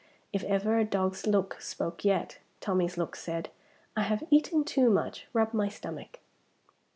If ever a dog's look spoke yet, Tommie's look said, "I have eaten too much; rub my stomach."